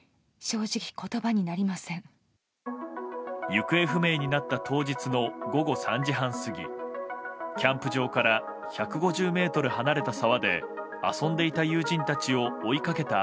行方不明になった当日の午後３時半過ぎキャンプ場から１５０ｍ離れた沢で遊んでいた友人たちを追いかけた